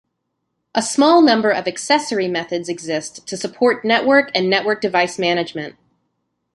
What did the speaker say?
A small number of accessory methods exist to support network and network device management.